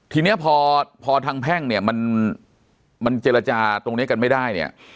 ทีนี้พอทางแพ่งเนี่ยมันเจรจาตรงนี้กันไม่ได้เนี่ย